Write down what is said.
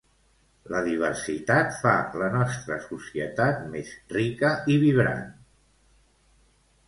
La diversitat fa la nostra societat més rica i vibrant.